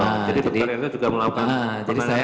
jadi dokter adianto juga melakukan penelanian juga dengan pasien